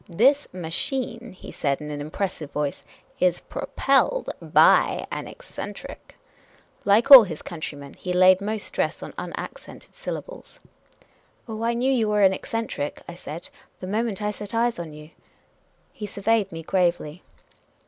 " This ma chine," he said, in an impressive voice, " is pro pelled dy an eccentric." Like all his countrymen, he laid most stress on unaccented syllables. " Oh, I knew you were an eccentric," I said, *' the mo ment I set eyes upon you." He surveyed me gravely.